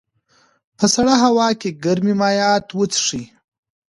په سړه هوا کې ګرمې مایعات وڅښئ.